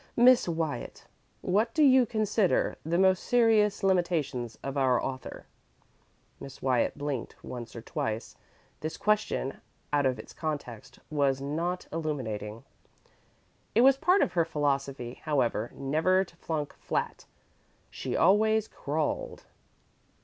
"Miss Wyatt, what do you consider the most serious limitations of our author?" Miss Wyatt blinked once or twice. This question out of its context was not illuminating. It was a part of her philosophy, however, never to flunk flat; she always crawled.